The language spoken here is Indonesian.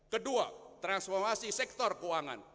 kedua transformasi sektor keuangan